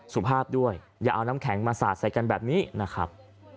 สุภาพด้วยอย่าเอาน้ำแข็งมาสาดใส่กันแบบนี้นะครับ